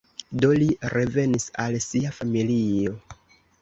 Do li revenis al sia familio.